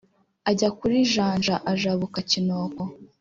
ajya kuri janja ajabuka kinoko